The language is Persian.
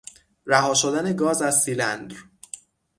رها شدن گاز از سیلندر